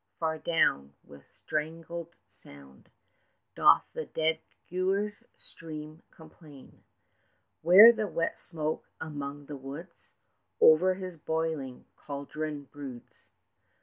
far down, with strangled sound Doth the Dead Guiers' stream complain, 10 Where that wet smoke among the woods Over his boiling cauldron broods.